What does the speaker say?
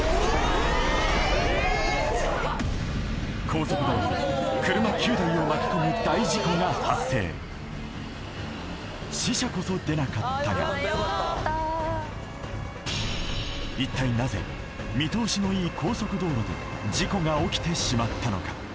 高速道路でが発生死者こそ出なかったが一体なぜ見通しのいい高速道路で事故が起きてしまったのか？